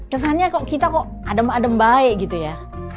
kesannya kok kita kok adem adem baik gitu ya